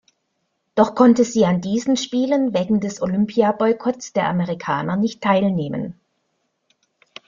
Doch konnte sie an diesen Spielen wegen des Olympiaboykotts der Amerikaner nicht teilnehmen.